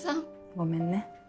ごめんね。